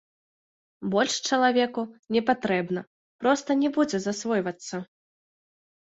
Больш чалавеку не патрэбна, проста не будзе засвойвацца.